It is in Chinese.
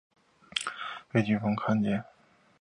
众人写的书信不幸被军方看见。